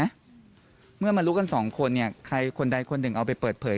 เมื่อมารู้กันสองคนเนี่ยใครคนใดคนหนึ่งเอาไปเปิดเผย